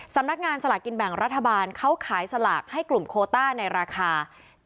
สำนักงานสลากกินแบ่งรัฐบาลเขาขายสลากให้กลุ่มโคต้าในราคา